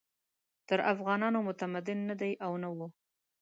تر افغانانو متمدن نه دي او نه وو.